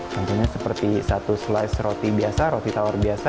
contohnya seperti satu slice roti biasa roti tawar biasa